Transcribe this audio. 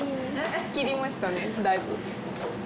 切りましたねだいぶ。